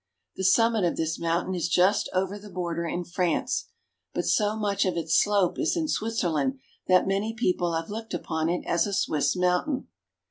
The summit of this mountain is just over the border in France but so much of its slope is in Switzerland that many people have looked upon it as a Swiss mountain.